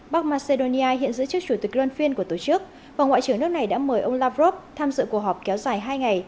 bắc macedonia hiện giữ chức chủ tịch luân phiên của tổ chức và ngoại trưởng nước này đã mời ông lavrov tham dự cuộc họp kéo dài hai ngày